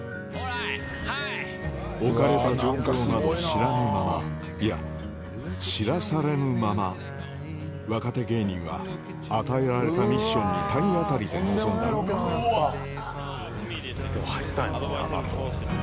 置かれた状況など知らぬままいや知らされぬまま若手芸人は与えられたミッションに体当たりで臨んだとんでもないロケだなやっぱ。